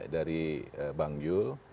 dari bang yul